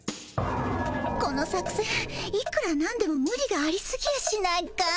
この作せんいくらなんでもムリがありすぎやしないかい？